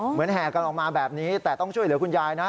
แห่กันออกมาแบบนี้แต่ต้องช่วยเหลือคุณยายนะ